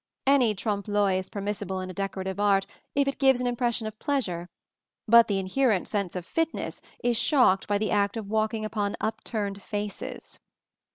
Any trompe l'oeil is permissible in decorative art if it gives an impression of pleasure; but the inherent sense of fitness is shocked by the act of walking upon upturned faces.